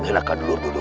kelakkan dulu dulu